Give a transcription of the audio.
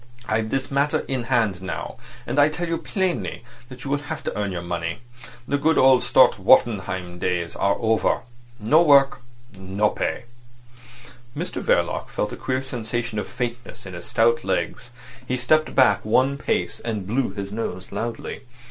I've this matter in hand now, and I tell you plainly that you will have to earn your money. The good old Stott Wartenheim times are over. No work, no pay." Mr Verloc felt a queer sensation of faintness in his stout legs. He stepped back one pace, and blew his nose loudly.